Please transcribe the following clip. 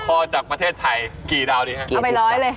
ขายได้จากประเทศไทยกี่ระดาษเอาไป๑๐๐เลย